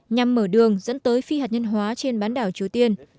nhằm mở đường dẫn tới phi hạt nhân hóa trên bán đảo triều tiên